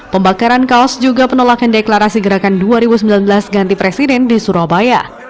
pembakaran kaos juga penolakan deklarasi gerakan dua ribu sembilan belas ganti presiden di surabaya